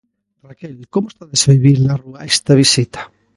Raquel, como estades a vivir na rúa esta visita?